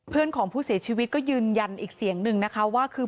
เพื่อนของผู้เสียชีวิตก็ยืนยันอีกเสียงหนึ่งนะคะว่าคือ